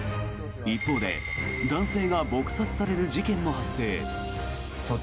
一方で男性が撲殺される事件も発生。